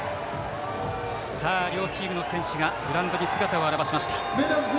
両チームの選手がグラウンドに姿を現しました。